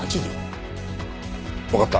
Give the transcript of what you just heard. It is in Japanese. わかった。